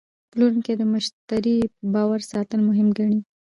پلورونکی د مشتری باور ساتل مهم ګڼي.